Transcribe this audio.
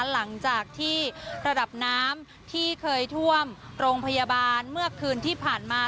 หลังจากที่ระดับน้ำที่เคยท่วมโรงพยาบาลเมื่อคืนที่ผ่านมา